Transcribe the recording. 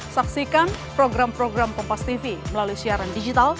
saksikan program program kompastv melalui siaran digital